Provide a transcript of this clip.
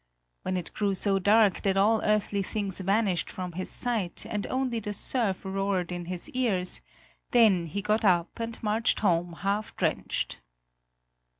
When it grew so dark that all earthly things vanished from his sight and only the surf roared in his ears, then he got up and marched home half drenched.